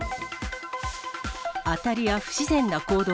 当たり屋、不自然な行動。